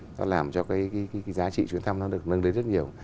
nó làm cho cái giá trị chuyển thăm nó được nâng đến rất nhiều